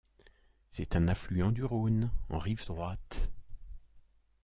C'est un affluent du Rhône en rive droite.